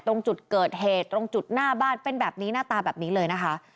ตรงจุดเกิดเหตุตรงจุดหน้าบ้านเป็นแบบนี้หน้าตาแบบนี้เลยนะคะ